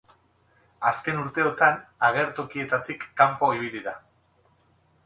Azken urteotan agertokietatik kanpo ibili da.